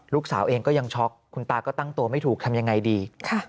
ลูกสาวเองก็ยังช็อกคุณตาก็ตั้งตัวไม่ถูกทำยังไงดี